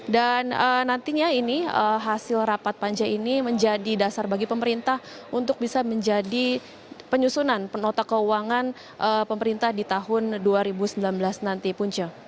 dan nantinya ini hasil rapat panja ini menjadi dasar bagi pemerintah untuk bisa menjadi penyusunan penota keuangan pemerintah di tahun dua ribu sembilan belas nanti punca